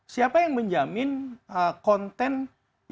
siapa yang menjamin konten yang dilemparkan diposting lewat media